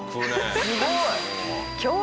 すごい！